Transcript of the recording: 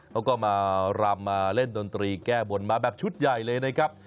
เขาก็มารำมาเล่นดนตรีแก้บนมาแบบชุดใหญ่เลยนะครับ